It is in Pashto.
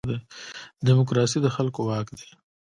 دیموکراسي د خلکو واک دی